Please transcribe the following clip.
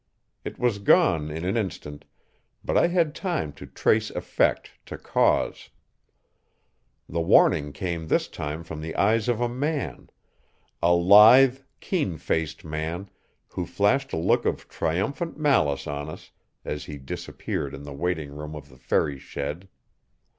It was gone in an instant, but I had time to trace effect to cause. The warning came this time from the eyes of a man, a lithe, keen faced man who flashed a look of triumphant malice on us as he disappeared in the waiting room of the ferry shed.